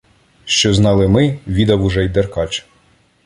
Що знали ми, — відав уже й Деркач.